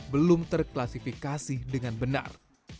belum terklasifikasi dengan benar